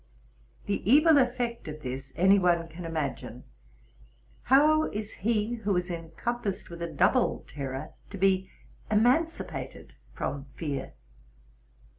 The evil effeet of this any one may imagine. How is he who is encompassed with a double terror to be emancipated from fear?